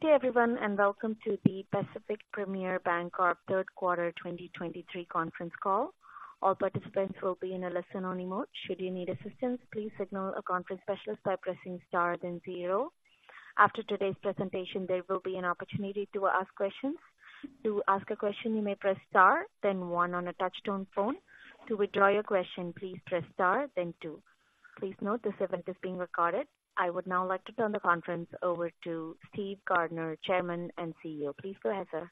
Good day everyone, and welcome to the Pacific Premier Bancorp Third Quarter 2023 Conference Call. All participants will be in a listen-only mode. Should you need assistance, please signal a conference specialist by pressing star then zero. After today's presentation, there will be an opportunity to ask questions. To ask a question, you may press star then one on a touchtone phone. To withdraw your question, please press star then two. Please note this event is being recorded. I would now like to turn the conference over to Steve Gardner, Chairman and CEO. Please go ahead, sir.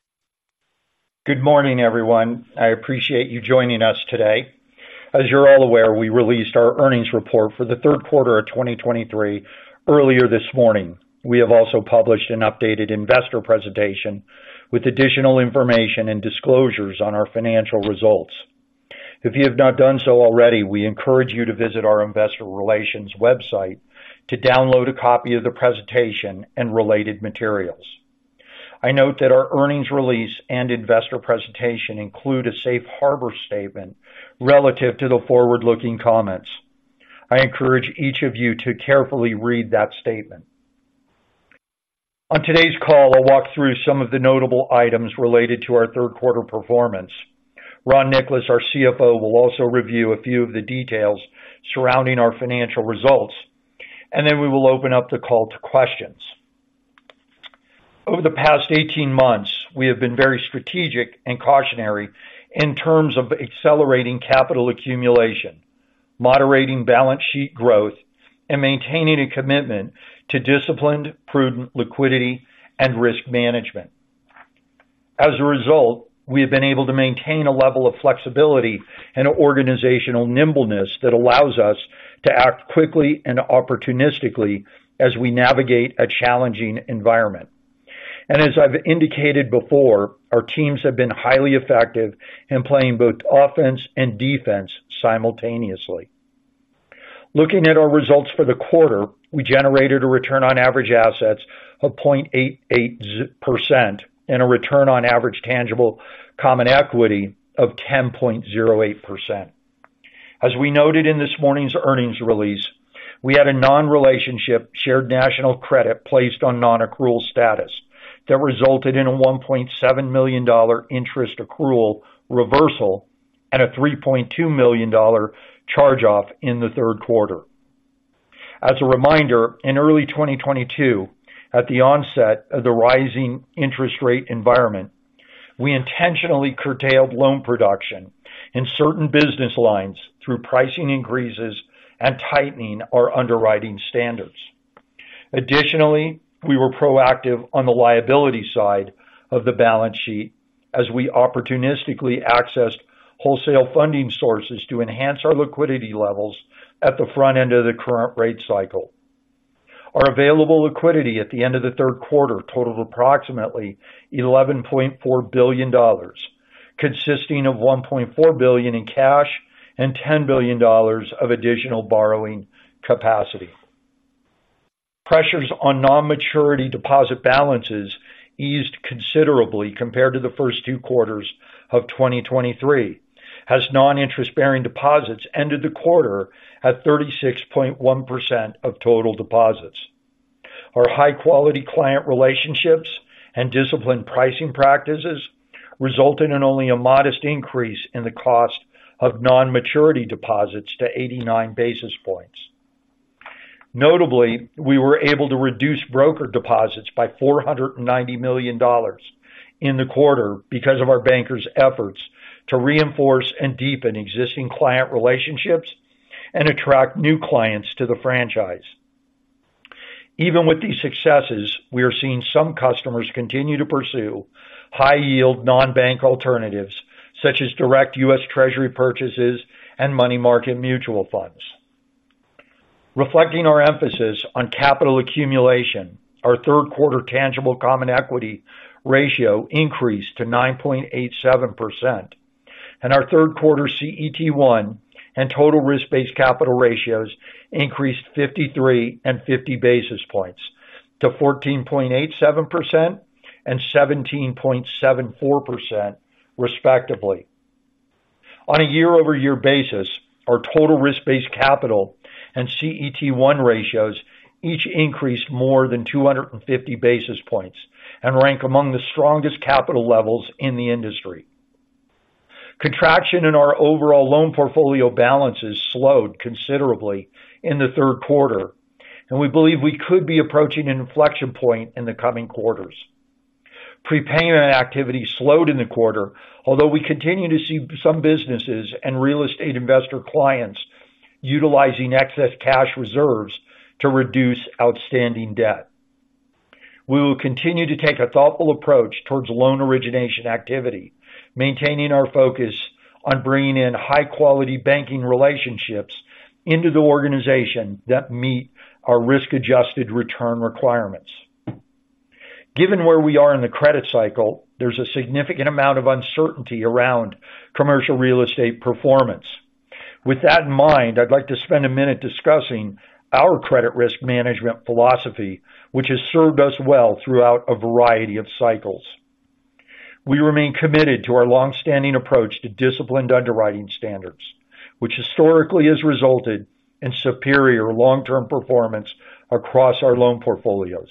Good morning, everyone. I appreciate you joining us today. As you're all aware, we released our earnings report for the third quarter of 2023 earlier this morning. We have also published an updated investor presentation with additional information and disclosures on our financial results. If you have not done so already, we encourage you to visit our investor relations website to download a copy of the presentation and related materials. I note that our earnings release and investor presentation include a safe harbor statement relative to the forward-looking comments. I encourage each of you to carefully read that statement. On today's call, I'll walk through some of the notable items related to our third quarter performance. Ron Nicolas, our CFO, will also review a few of the details surrounding our financial results, and then we will open up the call to questions. Over the past 18 months, we have been very strategic and cautionary in terms of accelerating capital accumulation, moderating balance sheet growth, and maintaining a commitment to disciplined, prudent liquidity and risk management. As a result, we have been able to maintain a level of flexibility and organizational nimbleness that allows us to act quickly and opportunistically as we navigate a challenging environment. And as I've indicated before, our teams have been highly effective in playing both offense and defense simultaneously. Looking at our results for the quarter, we generated a return on average assets of 0.88% and a return on average tangible common equity of 10.08%. As we noted in this morning's earnings release, we had a non-relationship Shared National Credit placed on non-accrual status that resulted in a $1.7 million interest accrual reversal and a $3.2 million charge-off in the third quarter. As a reminder, in early 2022, at the onset of the rising interest rate environment, we intentionally curtailed loan production in certain business lines through pricing increases and tightening our underwriting standards. Additionally, we were proactive on the liability side of the balance sheet as we opportunistically accessed wholesale funding sources to enhance our liquidity levels at the front end of the current rate cycle. Our available liquidity at the end of the third quarter totaled approximately $11.4 billion, consisting of $1.4 billion in cash and $10 billion of additional borrowing capacity. Pressures on non-maturity deposit balances eased considerably compared to the first two quarters of 2023, as non-interest-bearing deposits ended the quarter at 36.1% of total deposits. Our high-quality client relationships and disciplined pricing practices resulted in only a modest increase in the cost of non-maturity deposits to 89 basis points. Notably, we were able to reduce broker deposits by $490 million in the quarter because of our bankers' efforts to reinforce and deepen existing client relationships and attract new clients to the franchise. Even with these successes, we are seeing some customers continue to pursue high-yield non-bank alternatives, such as direct U.S. Treasury purchases and money market mutual funds. Reflecting our emphasis on capital accumulation, our third quarter tangible common equity ratio increased to 9.87%, and our third quarter CET1 and total risk-based capital ratios increased 53 and 50 basis points to 14.87% and 17.74% respectively. On a year-over-year basis, our total risk-based capital and CET1 ratios each increased more than 250 basis points and rank among the strongest capital levels in the industry. Contraction in our overall loan portfolio balances slowed considerably in the third quarter, and we believe we could be approaching an inflection point in the coming quarters. Prepayment activity slowed in the quarter, although we continue to see some businesses and real estate investor clients utilizing excess cash reserves to reduce outstanding debt. We will continue to take a thoughtful approach towards loan origination activity, maintaining our focus on bringing in high-quality banking relationships into the organization that meet our risk-adjusted return requirements. Given where we are in the credit cycle, there's a significant amount of uncertainty around commercial real estate performance. With that in mind, I'd like to spend a minute discussing our credit risk management philosophy, which has served us well throughout a variety of cycles.... We remain committed to our long-standing approach to disciplined underwriting standards, which historically has resulted in superior long-term performance across our loan portfolios.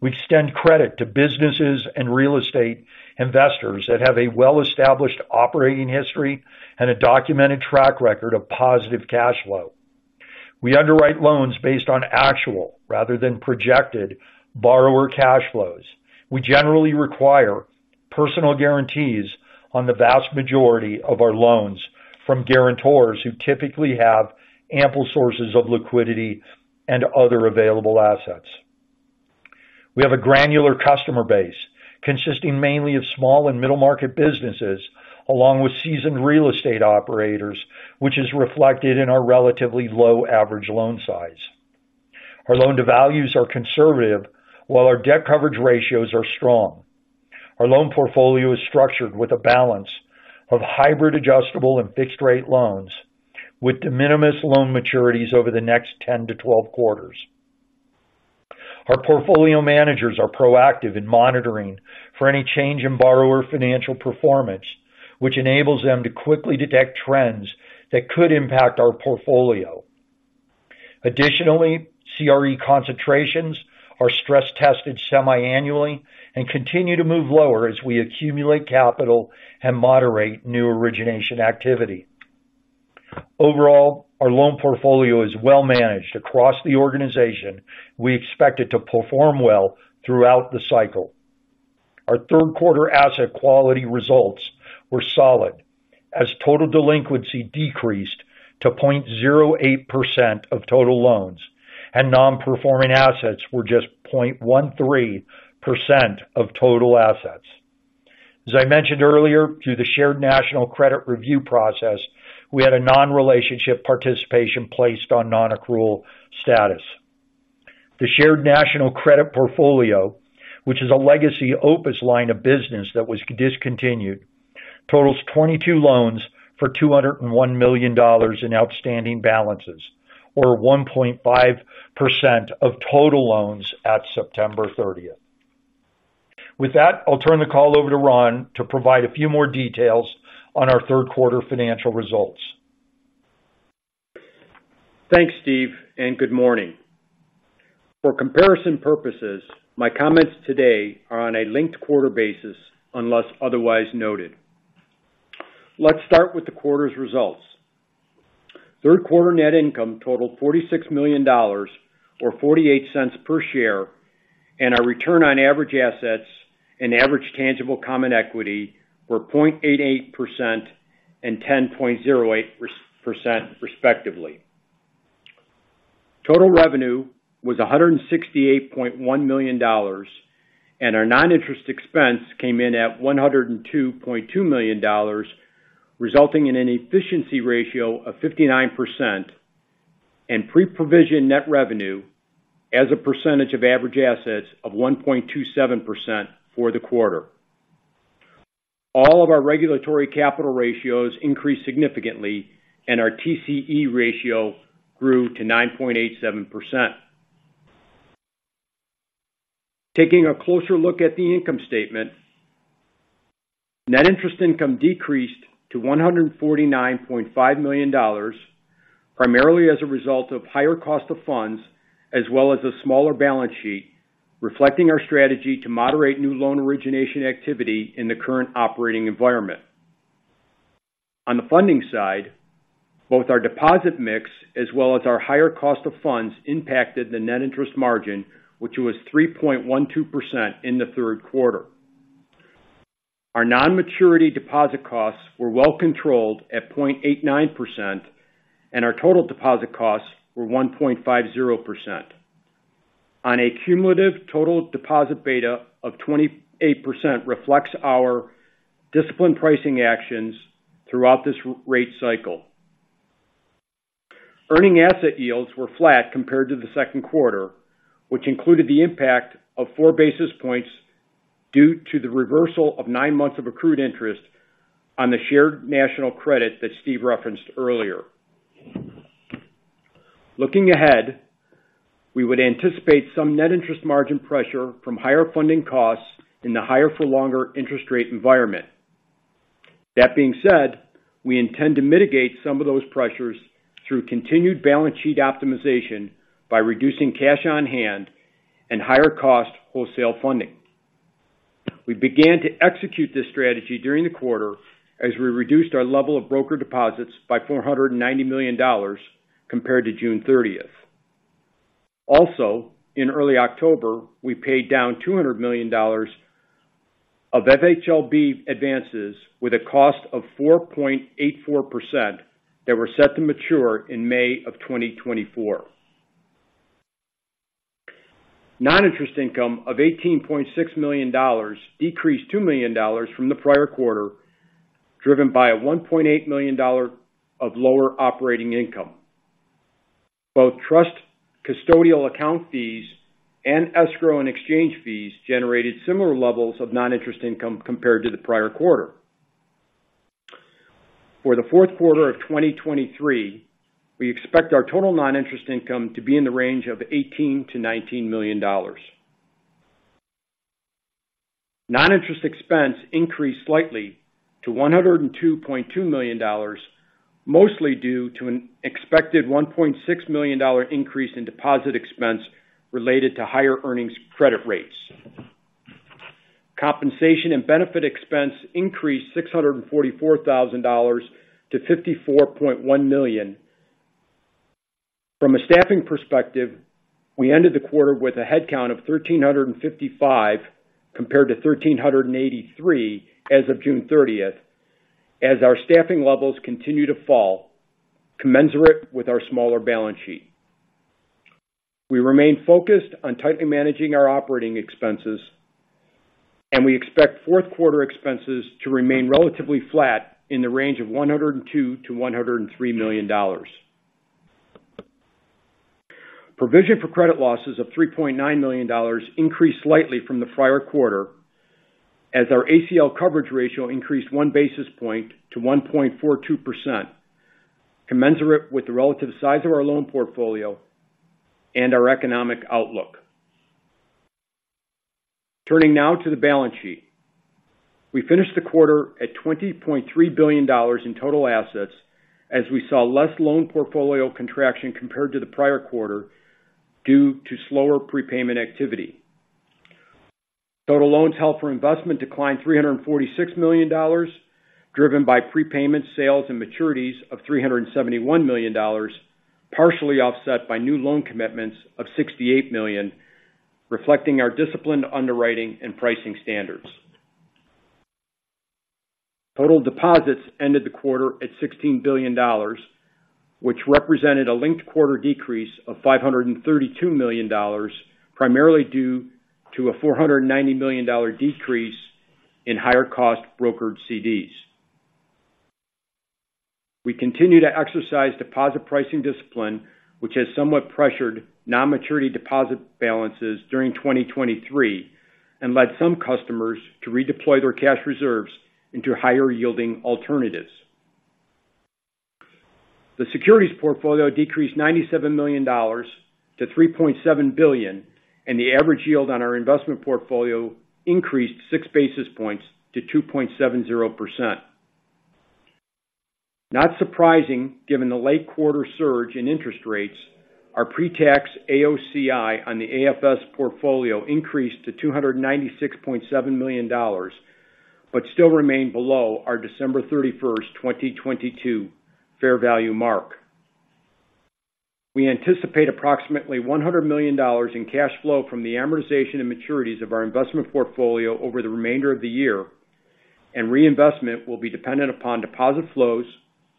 We extend credit to businesses and real estate investors that have a well-established operating history and a documented track record of positive cash flow. We underwrite loans based on actual rather than projected borrower cash flows. We generally require personal guarantees on the vast majority of our loans from guarantors who typically have ample sources of liquidity and other available assets. We have a granular customer base consisting mainly of small and middle-market businesses, along with seasoned real estate operators, which is reflected in our relatively low average loan size. Our loan to values are conservative, while our debt coverage ratios are strong. Our loan portfolio is structured with a balance of hybrid, adjustable, and fixed rate loans, with de minimis loan maturities over the next 10-12 quarters. Our portfolio managers are proactive in monitoring for any change in borrower financial performance, which enables them to quickly detect trends that could impact our portfolio. Additionally, CRE concentrations are stress tested semiannually and continue to move lower as we accumulate capital and moderate new origination activity. Overall, our loan portfolio is well managed across the organization. We expect it to perform well throughout the cycle. Our third quarter asset quality results were solid as total delinquency decreased to 0.08% of total loans, and non-performing assets were just 0.13% of total assets. As I mentioned earlier, through the Shared National Credit Review process, we had a non-relationship participation placed on non-accrual status. The Shared National Credit portfolio, which is a legacy Opus line of business that was discontinued, totals 22 loans for $201 million in outstanding balances, or 1.5% of total loans at September 30. With that, I'll turn the call over to Ron to provide a few more details on our third quarter financial results. Thanks, Steve, and good morning. For comparison purposes, my comments today are on a linked quarter basis, unless otherwise noted. Let's start with the quarter's results. Third quarter net income totaled $46 million or $0.48 per share, and our return on average assets and average tangible common equity were 0.88% and 10.08%, respectively. Total revenue was $168.1 million, and our non-interest expense came in at $102.2 million, resulting in an efficiency ratio of 59%, and pre-provision net revenue as a percentage of average assets of 1.27% for the quarter. All of our regulatory capital ratios increased significantly, and our TCE ratio grew to 9.87%. Taking a closer look at the income statement. Net interest income decreased to $149.5 million, primarily as a result of higher cost of funds, as well as a smaller balance sheet, reflecting our strategy to moderate new loan origination activity in the current operating environment. On the funding side, both our deposit mix as well as our higher cost of funds impacted the net interest margin, which was 3.12% in the third quarter. Our non-maturity deposit costs were well controlled at 0.89%, and our total deposit costs were 1.50%. On a cumulative total deposit beta of 28% reflects our disciplined pricing actions throughout this rate cycle. Earning asset yields were flat compared to the second quarter, which included the impact of 4 basis points due to the reversal of nine months of accrued interest on the Shared National Credit that Steve referenced earlier. Looking ahead, we would anticipate some Net Interest Margin pressure from higher funding costs in the higher for longer interest rate environment. That being said, we intend to mitigate some of those pressures through continued balance sheet optimization by reducing cash on hand and higher cost wholesale funding. We began to execute this strategy during the quarter as we reduced our level of broker deposits by $490 million compared to June thirtieth. Also, in early October, we paid down $200 million of FHLB advances with a cost of 4.84% that were set to mature in May of 2024. Non-interest income of $18.6 million decreased $2 million from the prior quarter, driven by a $1.8 million dollar of lower operating income. Both trust, custodial account fees, and escrow and exchange fees generated similar levels of non-interest income compared to the prior quarter. For the fourth quarter of 2023, we expect our total non-interest income to be in the range of $18 million-$19 million. Non-interest expense increased slightly to $102.2 million, mostly due to an expected $1.6 million dollar increase in deposit expense related to higher earnings credit rates. Compensation and benefit expense increased $644,000-$54.1 million. From a staffing perspective, we ended the quarter with a headcount of 1,355, compared to 1,383 as of June 30, as our staffing levels continue to fall, commensurate with our smaller balance sheet. We remain focused on tightly managing our operating expenses, and we expect fourth quarter expenses to remain relatively flat in the range of $102 million-$103 million. Provision for credit losses of $3.9 million increased slightly from the prior quarter, as our ACL coverage ratio increased 1 basis point to 1.42%, commensurate with the relative size of our loan portfolio and our economic outlook. Turning now to the balance sheet. We finished the quarter at $20.3 billion in total assets, as we saw less loan portfolio contraction compared to the prior quarter due to slower prepayment activity. Total loans held for investment declined $346 million, driven by prepayment sales and maturities of $371 million, partially offset by new loan commitments of $68 million, reflecting our disciplined underwriting and pricing standards. Total deposits ended the quarter at $16 billion, which represented a linked-quarter decrease of $532 million, primarily due to a $490 million decrease in higher cost brokered CDs. We continue to exercise deposit pricing discipline, which has somewhat pressured non-maturity deposit balances during 2023 and led some customers to redeploy their cash reserves into higher yielding alternatives. The securities portfolio decreased $97 million-$3.7 billion, and the average yield on our investment portfolio increased 6 basis points to 2.70%. Not surprising, given the late quarter surge in interest rates, our pre-tax AOCI on the AFS portfolio increased to $296.7 million, but still remained below our December 31, 2022 fair value mark. We anticipate approximately $100 million in cash flow from the amortization and maturities of our investment portfolio over the remainder of the year, and reinvestment will be dependent upon deposit flows,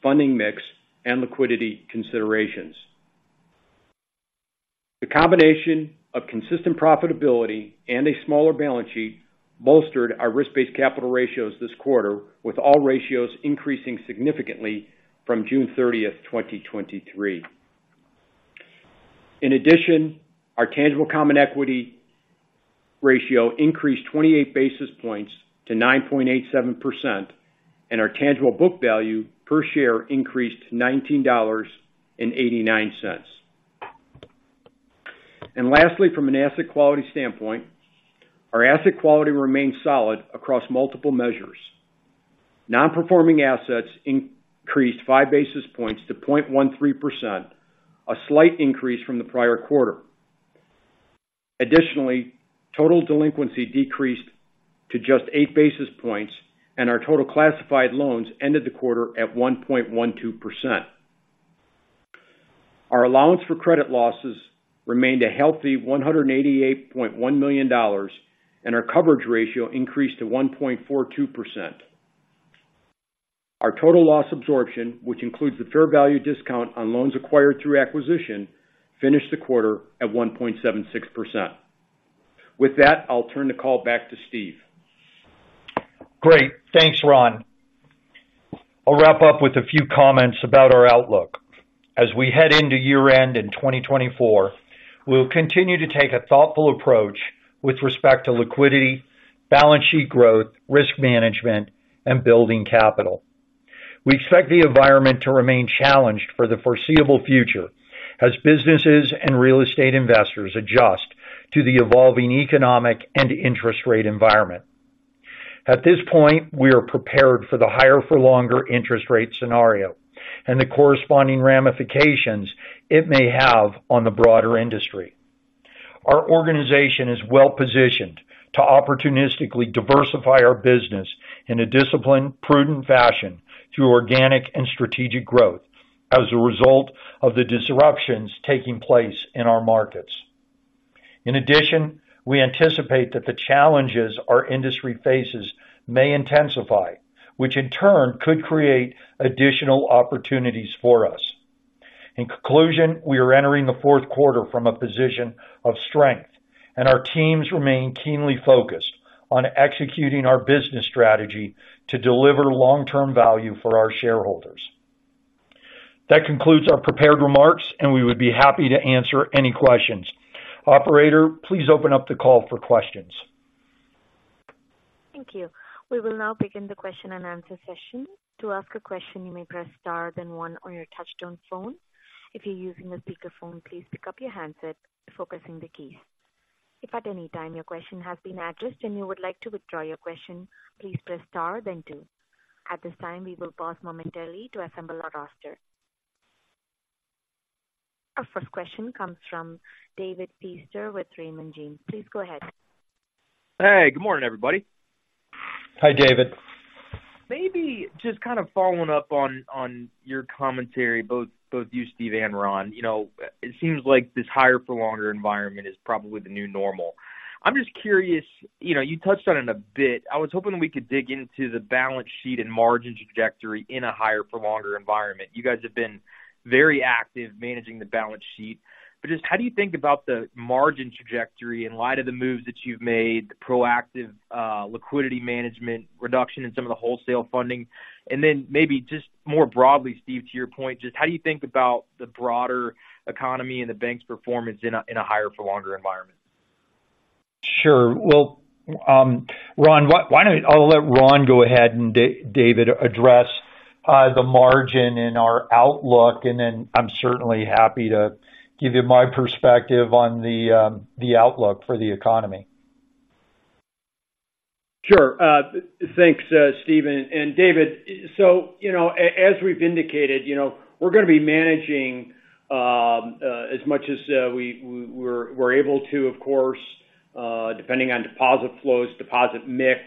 funding mix, and liquidity considerations. The combination of consistent profitability and a smaller balance sheet bolstered our risk-based capital ratios this quarter, with all ratios increasing significantly from June 30, 2023. In addition, our tangible common equity ratio increased 28 basis points to 9.87%, and our tangible book value per share increased to $19.89. Lastly, from an asset quality standpoint, our asset quality remains solid across multiple measures. Non-performing assets increased 5 basis points to 0.13%, a slight increase from the prior quarter. Additionally, total delinquency decreased to just 8 basis points, and our total classified loans ended the quarter at 1.12%. Our allowance for credit losses remained a healthy $188.1 million, and our coverage ratio increased to 1.42%. Our total loss absorption, which includes the fair value discount on loans acquired through acquisition, finished the quarter at 1.76%. With that, I'll turn the call back to Steve. Great. Thanks, Ron. I'll wrap up with a few comments about our outlook. As we head into year-end in 2024, we'll continue to take a thoughtful approach with respect to liquidity, balance sheet growth, risk management, and building capital. We expect the environment to remain challenged for the foreseeable future as businesses and real estate investors adjust to the evolving economic and interest rate environment. At this point, we are prepared for the higher for longer interest rate scenario and the corresponding ramifications it may have on the broader industry. Our organization is well-positioned to opportunistically diversify our business in a disciplined, prudent fashion through organic and strategic growth as a result of the disruptions taking place in our markets. In addition, we anticipate that the challenges our industry faces may intensify, which in turn could create additional opportunities for us. In conclusion, we are entering the fourth quarter from a position of strength, and our teams remain keenly focused on executing our business strategy to deliver long-term value for our shareholders. That concludes our prepared remarks, and we would be happy to answer any questions. Operator, please open up the call for questions. Thank you. We will now begin the question and answer session. To ask a question, you may press star, then one on your touchtone phone. If you're using a speakerphone, please pick up your handset, focusing the keys. If at any time your question has been addressed and you would like to withdraw your question, please press star then two. At this time, we will pause momentarily to assemble our roster. Our first question comes from David Feaster with Raymond James. Please go ahead. Hey, good morning, everybody. Hi, David. Maybe just kind of following up on, on your commentary, both, both you, Steve and Ron. You know, it seems like this higher for longer environment is probably the new normal. I'm just curious, you know, you touched on it a bit. I was hoping we could dig into the balance sheet and margin trajectory in a higher for longer environment. You guys have been very active managing the balance sheet, but just how do you think about the margin trajectory in light of the moves that you've made, the proactive, liquidity management, reduction in some of the wholesale funding? And then maybe just more broadly, Steve, to your point, just how do you think about the broader economy and the bank's performance in a, in a higher for longer environment? Sure. Well, Ron, I'll let Ron go ahead and David address the margin and our outlook, and then I'm certainly happy to give you my perspective on the outlook for the economy. Sure. Thanks, Steve and David. So, you know, as we've indicated, you know, we're going to be managing as much as we're able to, of course, depending on deposit flows, deposit mix,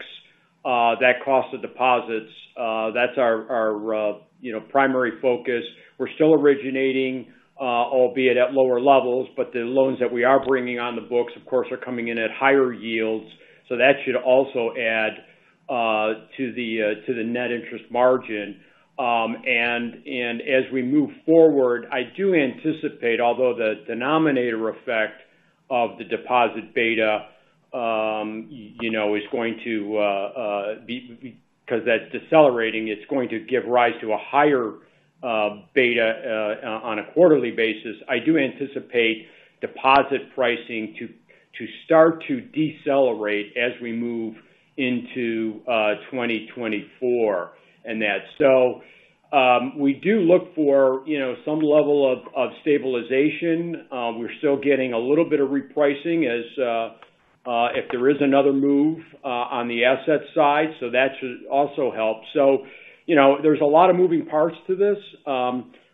that cost of deposits, that's our, you know, primary focus. We're still originating, albeit at lower levels, but the loans that we are bringing on the books, of course, are coming in at higher yields, so that should also add to the net interest margin. And as we move forward, I do anticipate, although the denominator effect of the deposit beta, you know, is going to be because that's decelerating, it's going to give rise to a higher beta on a quarterly basis. I do anticipate deposit pricing to start to decelerate as we move into 2024 and that. So, we do look for, you know, some level of stabilization. We're still getting a little bit of repricing as if there is another move on the asset side, so that should also help. So, you know, there's a lot of moving parts to this.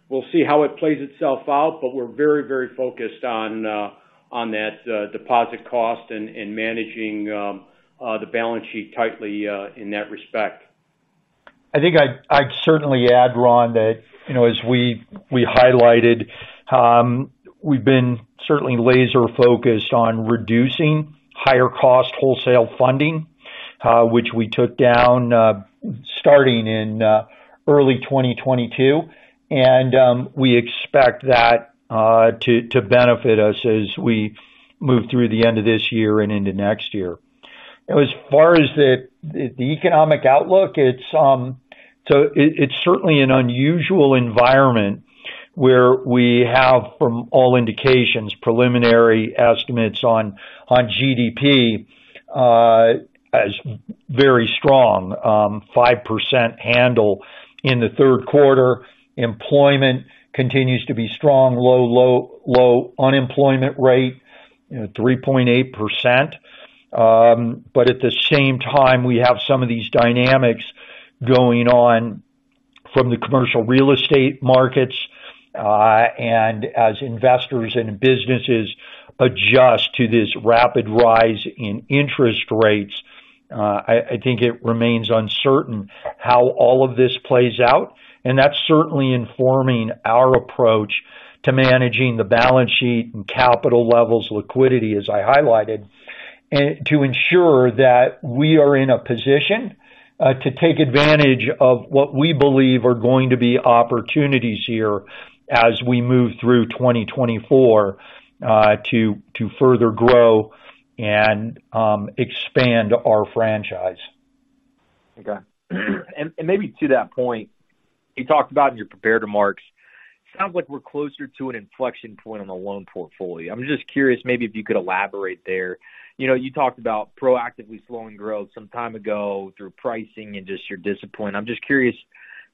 We'll see how it plays itself out, but we're very, very focused on that deposit cost and managing the balance sheet tightly in that respect. I think I'd certainly add, Ron, that, you know, as we highlighted, we've been certainly laser focused on reducing higher cost wholesale funding, which we took down starting in early 2022, and we expect that to benefit us as we move through the end of this year and into next year. As far as the economic outlook, it's certainly an unusual environment where we have, from all indications, preliminary estimates on GDP as very strong 5% handle in the third quarter. Employment continues to be strong, low unemployment rate, you know, 3.8%. But at the same time, we have some of these dynamics going on from the commercial real estate markets, and as investors and businesses adjust to this rapid rise in interest rates, I, I think it remains uncertain how all of this plays out. And that's certainly informing our approach to managing the balance sheet and capital levels, liquidity, as I highlighted. And to ensure that we are in a position, to take advantage of what we believe are going to be opportunities here as we move through 2024, to, to further grow and, expand our franchise. Okay. And, and maybe to that point, you talked about in your prepared remarks, sounds like we're closer to an inflection point on the loan portfolio. I'm just curious, maybe if you could elaborate there. You know, you talked about proactively slowing growth some time ago through pricing and just your discipline. I'm just curious,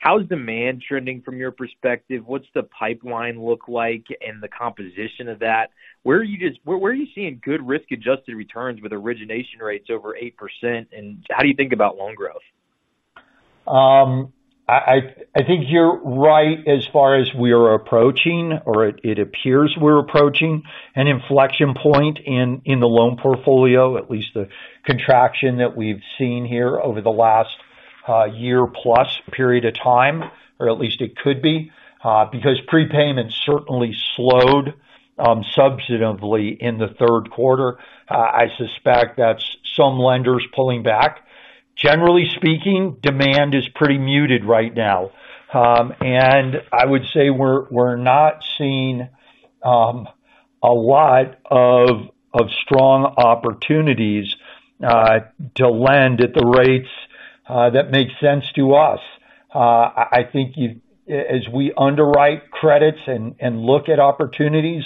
how is demand trending from your perspective? What's the pipeline look like and the composition of that? Where are you seeing good risk-adjusted returns with origination rates over 8%, and how do you think about loan growth? I think you're right as far as we are approaching, or it appears we're approaching an inflection point in the loan portfolio, at least the contraction that we've seen here over the last year-plus period of time, or at least it could be because prepayments certainly slowed substantively in the third quarter. I suspect that's some lenders pulling back. Generally speaking, demand is pretty muted right now. And I would say we're not seeing a lot of strong opportunities to lend at the rates that makes sense to us. I think as we underwrite credits and look at opportunities,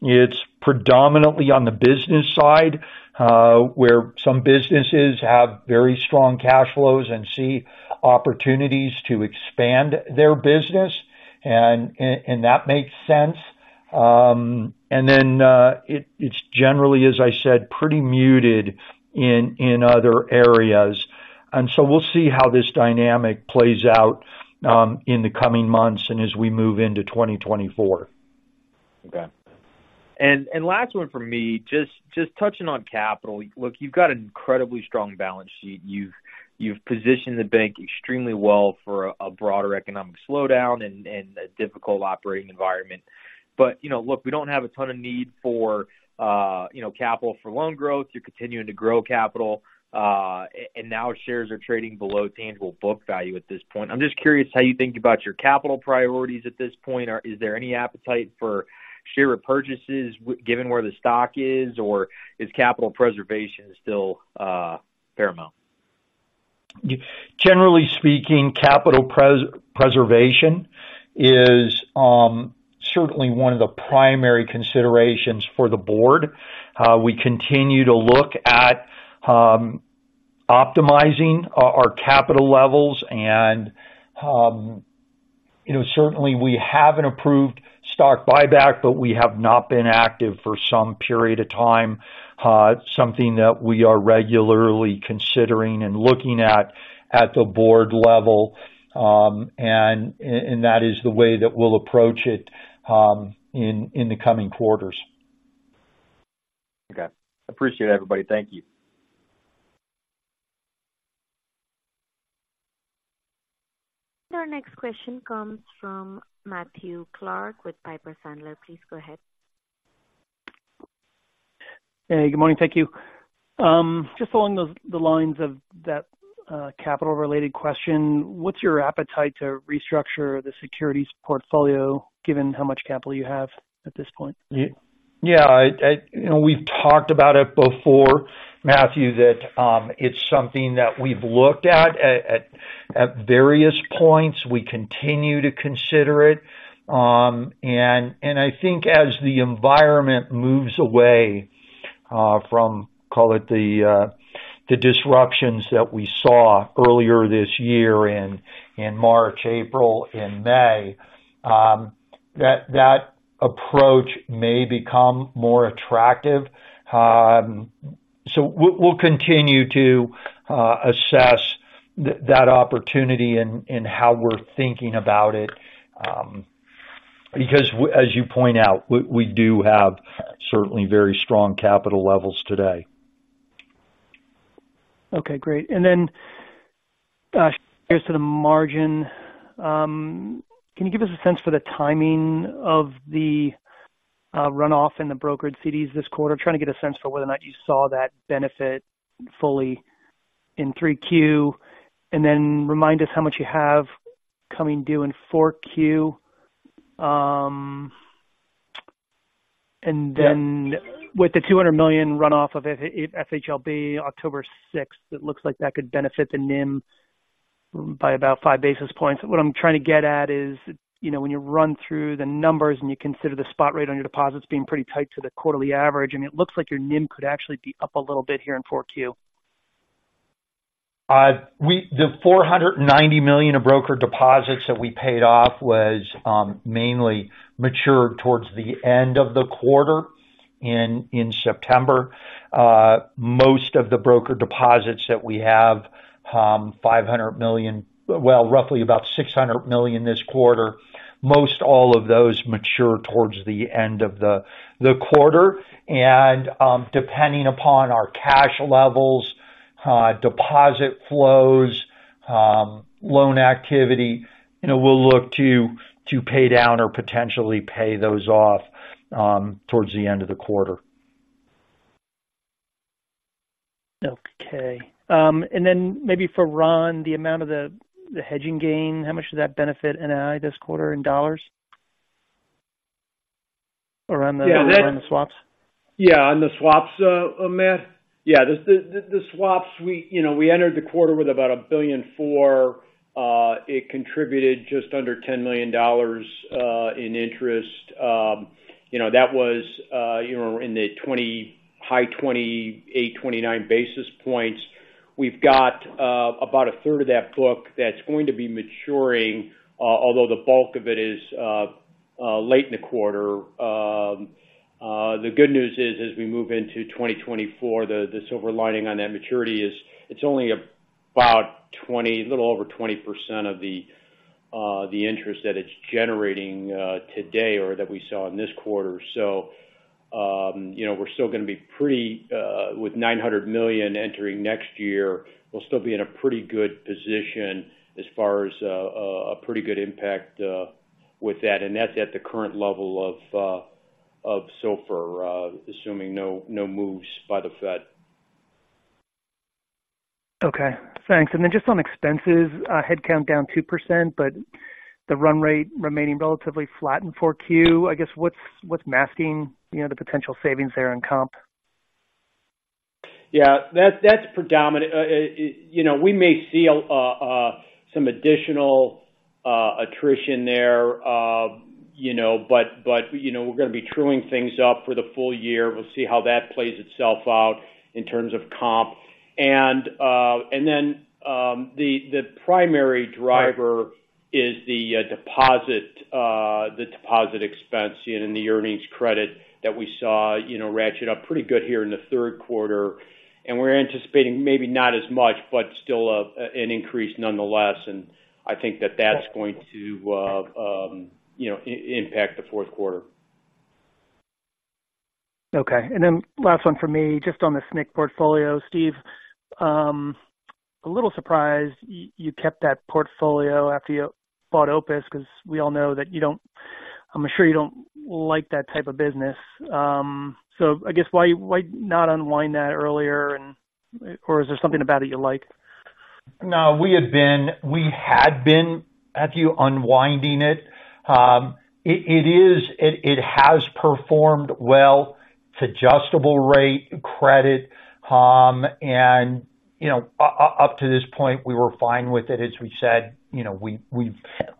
it's predominantly on the business side where some businesses have very strong cash flows and see opportunities to expand their business, and that makes sense. And then it's generally, as I said, pretty muted in other areas. And so we'll see how this dynamic plays out in the coming months and as we move into 2024. Okay. And last one from me, just touching on capital. Look, you've got an incredibly strong balance sheet. You've positioned the bank extremely well for a broader economic slowdown and a difficult operating environment. But, you know, look, we don't have a ton of need for, you know, capital for loan growth. You're continuing to grow capital, and now shares are trading below tangible book value at this point. I'm just curious how you think about your capital priorities at this point. Is there any appetite for share repurchases with given where the stock is? Or is capital preservation still paramount? Generally speaking, capital preservation is certainly one of the primary considerations for the board. We continue to look at optimizing our capital levels and, you know, certainly we have an approved stock buyback, but we have not been active for some period of time. Something that we are regularly considering and looking at, at the board level. And that is the way that we'll approach it, in the coming quarters. Okay. Appreciate it, everybody. Thank you. Our next question comes from Matthew Clark with Piper Sandler. Please go ahead. Hey, good morning. Thank you. Just along the lines of that, capital-related question, what's your appetite to restructure the securities portfolio, given how much capital you have at this point? Yeah, you know, we've talked about it before, Matthew, that it's something that we've looked at various points. We continue to consider it. And I think as the environment moves away from, call it the disruptions that we saw earlier this year in March, April, and May, that approach may become more attractive. So we'll continue to assess that opportunity and how we're thinking about it, because as you point out, we do have certainly very strong capital levels today. Okay, great. And then, just to the margin, can you give us a sense for the timing of the, runoff in the brokered CDs this quarter? Trying to get a sense for whether or not you saw that benefit fully in three Q, and then remind us how much you have coming due in 4Q. And then- Yeah. With the $200 million runoff of FHLB, October 6, it looks like that could benefit the NIM by about five basis points. What I'm trying to get at is, you know, when you run through the numbers and you consider the spot rate on your deposits being pretty tight to the quarterly average, I mean, it looks like your NIM could actually be up a little bit here in 4Q. The $490 million of broker deposits that we paid off was mainly matured towards the end of the quarter in September. Most of the broker deposits that we have, $500 million... Well, roughly about $600 million this quarter, most all of those mature towards the end of the quarter. And, depending upon our cash levels, deposit flows, loan activity, you know, we'll look to pay down or potentially pay those off, towards the end of the quarter. Okay. And then maybe for Ron, the amount of the, the hedging gain, how much does that benefit NII this quarter in dollars? Around the- Yeah, that- around the swaps. Yeah, on the swaps, Matt? Yeah, the swaps, you know, we entered the quarter with about $1.4 billion. It contributed just under $10 million in interest. You know, that was, you know, in the high 28-29 basis points. We've got about a third of that book that's going to be maturing, although the bulk of it is late in the quarter. The good news is, as we move into 2024, the silver lining on that maturity is it's only about 20, a little over 20% of the interest that it's generating today or that we saw in this quarter. So, you know, we're still gonna be pretty with $900 million entering next year, we'll still be in a pretty good position as far as a pretty good impact with that, and that's at the current level of SOFR, assuming no moves by the Fed. Okay, thanks. And then just on expenses, headcount down 2%, but the run rate remaining relatively flat in 4Q. I guess what's masking, you know, the potential savings there in comp?... Yeah, that's predominant. You know, we may see some additional attrition there, you know, but we're gonna be truing things up for the full year. We'll see how that plays itself out in terms of comp. And then the primary driver is the deposit expense and the earnings credit that we saw ratchet up pretty good here in the third quarter. And we're anticipating maybe not as much, but still an increase nonetheless, and I think that's going to impact the fourth quarter. Okay. And then last one from me, just on the SNC portfolio. Steve, a little surprised you kept that portfolio after you bought Opus, because we all know that you don't... I'm sure you don't like that type of business. So I guess, why, why not unwind that earlier and, or is there something about it you like? No, we had been, Matthew, unwinding it. It has performed well to adjustable rate credit. And, you know, up to this point, we were fine with it. As we said, you know, we've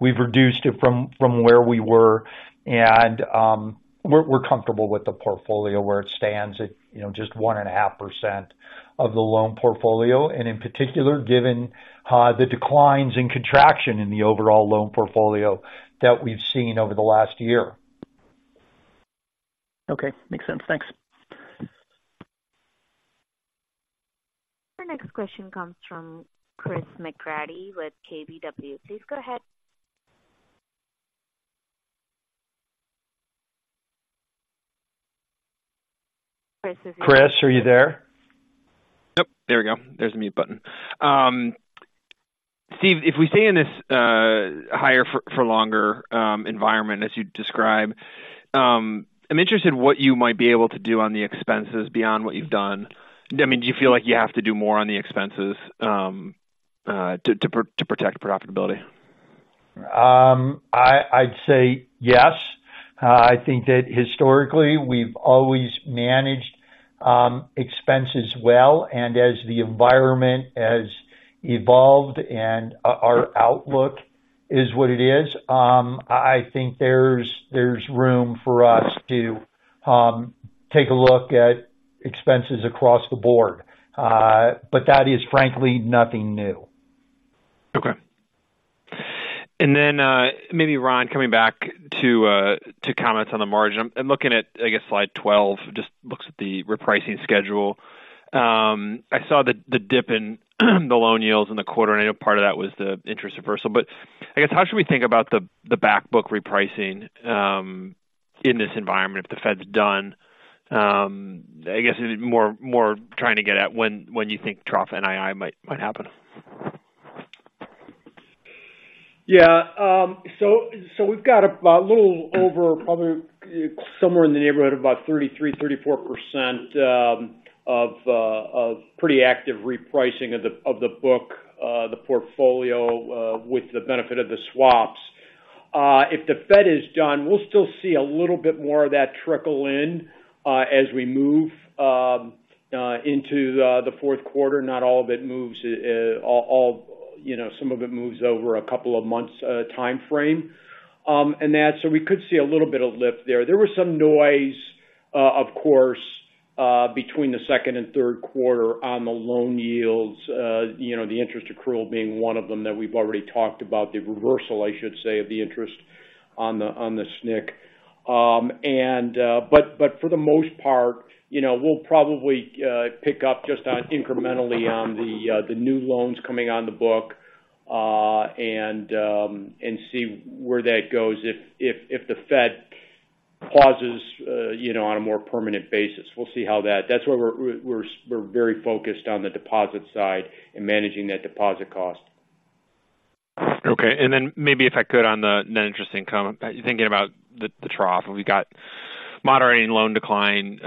reduced it from where we were, and we're comfortable with the portfolio where it stands at, you know, just 1.5% of the loan portfolio, and in particular, given the declines in contraction in the overall loan portfolio that we've seen over the last year. Okay, makes sense. Thanks. Our next question comes from Chris McGratty with KBW. Please go ahead. Chris, are you there? Chris, are you there? Yep, there we go. There's the mute button. Steve, if we stay in this higher for longer environment as you describe, I'm interested in what you might be able to do on the expenses beyond what you've done. I mean, do you feel like you have to do more on the expenses to protect profitability? I'd say yes. I think that historically, we've always managed expenses well, and as the environment has evolved and our outlook is what it is, I think there's room for us to take a look at expenses across the board. But that is frankly nothing new. Okay. And then, maybe, Ron, coming back to, to comments on the margin. I'm looking at, I guess, slide 12, just looks at the repricing schedule. I saw the, the dip in the loan yields in the quarter, and I know part of that was the interest reversal. But I guess, how should we think about the, the back book repricing, in this environment if the Fed's done? I guess, more, more trying to get at when, when you think trough NII might, might happen? Yeah. So we've got a little over, probably somewhere in the neighborhood of about 33%-34% of pretty active repricing of the book, the portfolio, with the benefit of the swaps. If the Fed is done, we'll still see a little bit more of that trickle in as we move into the fourth quarter. Not all of it moves, all, you know, some of it moves over a couple of months time frame. And that - so we could see a little bit of lift there. There was some noise, of course, between the second and third quarter on the loan yields, you know, the interest accrual being one of them that we've already talked about, the reversal, I should say, of the interest on the SNC. But for the most part, you know, we'll probably pick up just incrementally on the new loans coming on the book, and see where that goes if the Fed pauses, you know, on a more permanent basis. We'll see how that... That's why we're very focused on the deposit side and managing that deposit cost. Okay. And then maybe if I could, on the net interest income, thinking about the, the trough, we've got moderating loan decline,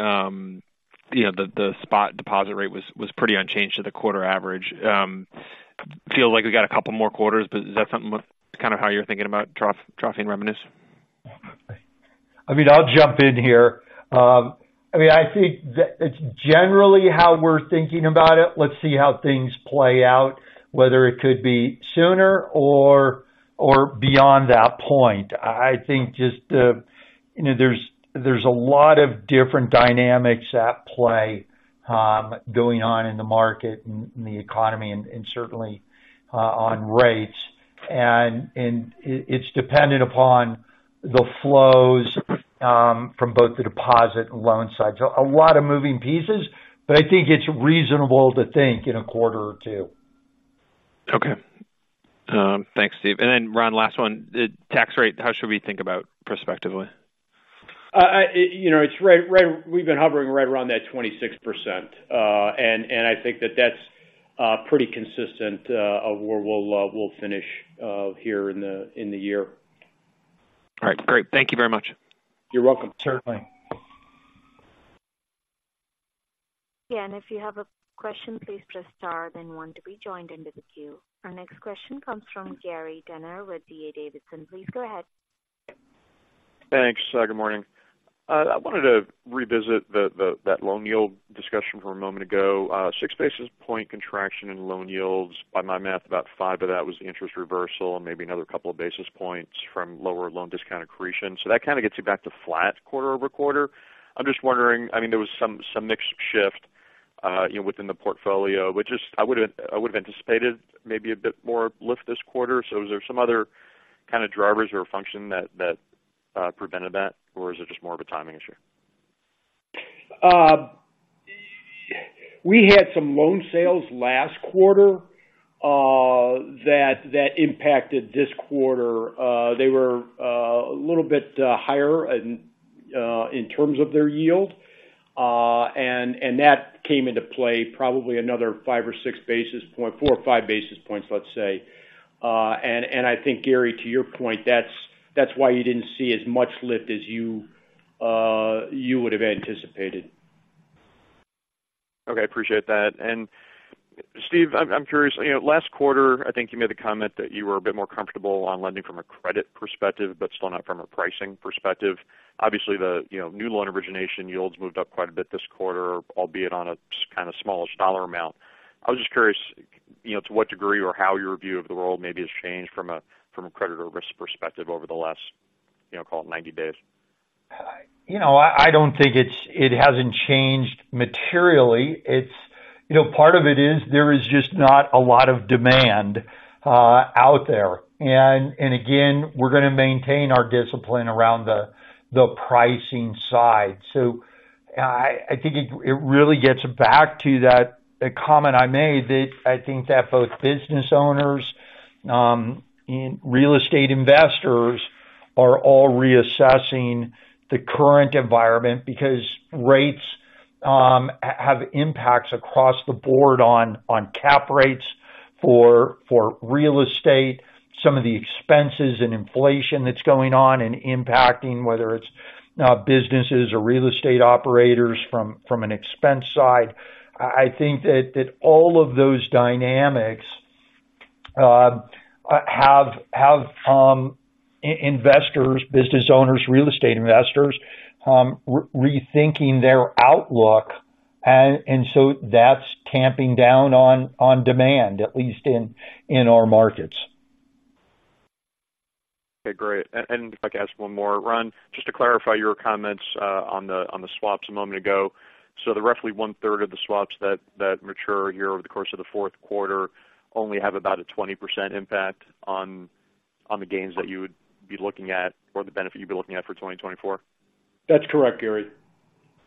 you know, the, the spot deposit rate was, was pretty unchanged to the quarter average. Feels like we got a couple more quarters, but is that something with kind of how you're thinking about trough, troughing revenues? I mean, I'll jump in here. I mean, I think that it's generally how we're thinking about it. Let's see how things play out, whether it could be sooner or, or beyond that point. I think just the, you know, there's a lot of different dynamics at play, going on in the market and in the economy and, and certainly, on rates, and, and it's dependent upon the flows, from both the deposit and loan side. So a lot of moving pieces, but I think it's reasonable to think in a quarter or two. Okay. Thanks, Steve. Then, Ron, last one. The tax rate, how should we think about prospectively? You know, it's right, right—we've been hovering right around that 26%. And I think that's pretty consistent where we'll finish here in the year. All right, great. Thank you very much. You're welcome. Certainly. Yeah, and if you have a question, please press Star then One to be joined into the queue. Our next question comes from Gary Tenner with D.A. Davidson. Please go ahead.... Thanks. Good morning. I wanted to revisit that loan yield discussion from a moment ago. 6 basis point contraction in loan yields. By my math, about 5 of that was interest reversal and maybe another couple of basis points from lower loan discount accretion. So that kind of gets you back to flat quarter-over-quarter. I'm just wondering, I mean, there was some mix shift, you know, within the portfolio, which is I would've anticipated maybe a bit more lift this quarter. So was there some other kind of drivers or function that prevented that? Or is it just more of a timing issue? We had some loan sales last quarter that impacted this quarter. They were a little bit higher in terms of their yield. And that came into play probably another 5 or 6 basis points, 4 or 5 basis points, let's say. And I think, Gary, to your point, that's why you didn't see as much lift as you would've anticipated. Okay. Appreciate that. And Steve, I'm, I'm curious, you know, last quarter, I think you made the comment that you were a bit more comfortable on lending from a credit perspective, but still not from a pricing perspective. Obviously, the, you know, new loan origination yields moved up quite a bit this quarter, albeit on a kind of smallest dollar amount. I was just curious, you know, to what degree or how your view of the world maybe has changed from a, from a credit or risk perspective over the last, you know, call it 90 days? You know, I don't think it's. It hasn't changed materially. It's. You know, part of it is, there is just not a lot of demand out there. And again, we're gonna maintain our discipline around the pricing side. So I think it really gets back to that, the comment I made, that I think that both business owners and real estate investors are all reassessing the current environment because rates have impacts across the board on cap rates for real estate, some of the expenses and inflation that's going on and impacting, whether it's businesses or real estate operators from an expense side. I think that all of those dynamics have investors, business owners, real estate investors rethinking their outlook. So that's tamping down on demand, at least in our markets. Okay, great. And if I could ask one more. Ron, just to clarify your comments on the swaps a moment ago. So the roughly one-third of the swaps that mature here over the course of the fourth quarter only have about a 20% impact on the gains that you would be looking at or the benefit you'd be looking at for 2024? That's correct, Gary.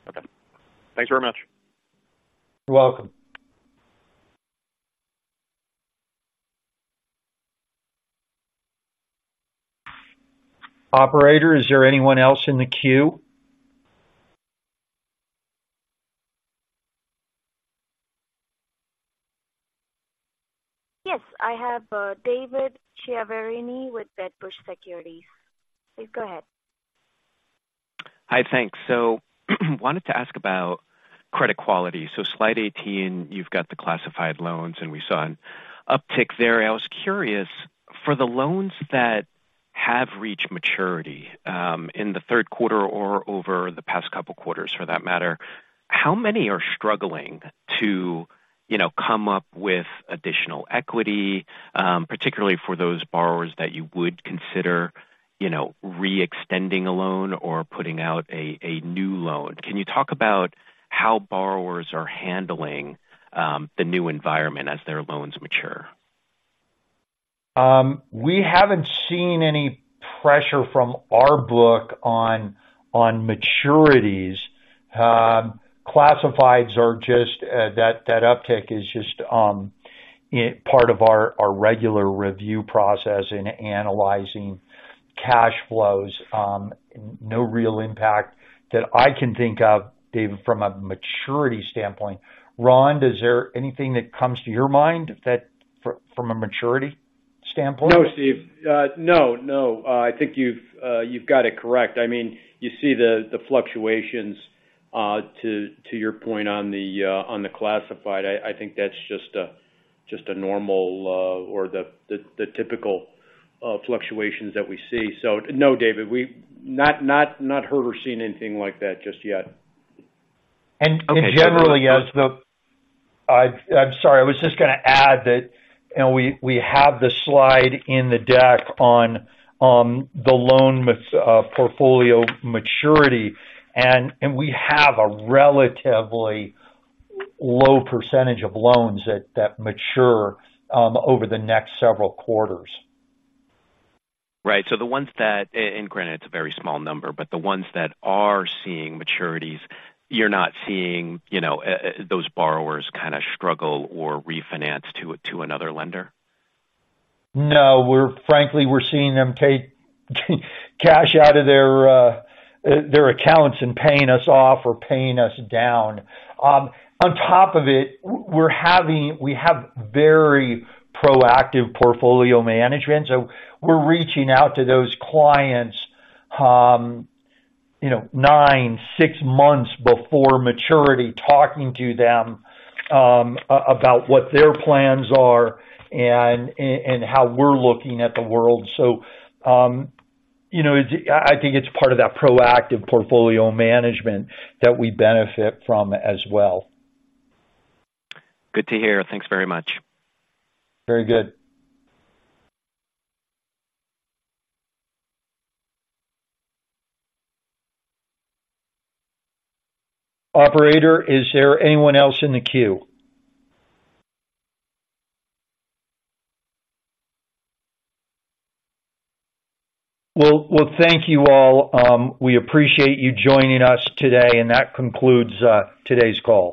Okay. Thanks very much. You're welcome. Operator, is there anyone else in the queue? Yes, I have, David Chiaverini with Wedbush Securities. Please go ahead. Hi, thanks. So wanted to ask about credit quality. So slide 18, you've got the classified loans, and we saw an uptick there. I was curious, for the loans that have reached maturity in the third quarter or over the past couple quarters, for that matter, how many are struggling to, you know, come up with additional equity, particularly for those borrowers that you would consider, you know, reextending a loan or putting out a new loan? Can you talk about how borrowers are handling the new environment as their loans mature? We haven't seen any pressure from our book on maturities. Classifieds are just that uptick is just part of our regular review process in analyzing cash flows. No real impact that I can think of, David, from a maturity standpoint. Ron, is there anything that comes to your mind that from a maturity standpoint? No, Steve. No, no. I think you've got it correct. I mean, you see the fluctuations, to your point on the classified. I think that's just a normal, or the typical, fluctuations that we see. So no, David, we've not heard or seen anything like that just yet. Generally, I'm sorry, I was just going to add that, you know, we have the slide in the deck on the loan portfolio maturity, and we have a relatively low percentage of loans that mature over the next several quarters. Right. So the ones that... and granted, it's a very small number, but the ones that are seeing maturities, you're not seeing, you know, those borrowers kind of struggle or refinance to another lender? No, we're frankly, we're seeing them take cash out of their, their accounts and paying us off or paying us down. On top of it, we have very proactive portfolio management, so we're reaching out to those clients, you know, 9, 6 months before maturity, talking to them, about what their plans are and, and, and how we're looking at the world. So, you know, I, I think it's part of that proactive portfolio management that we benefit from as well. Good to hear. Thanks very much. Very good. Operator, is there anyone else in the queue? Well, well, thank you all. We appreciate you joining us today, and that concludes today's call.